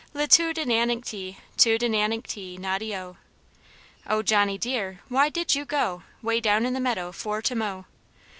Li tu di nan incty, tu di nan incty, noddy O! O Johnny dear, why did you go, Way down in the meadow fot to mow?